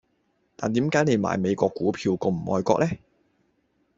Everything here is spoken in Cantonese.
但點解你買美國股票咁唔愛國呢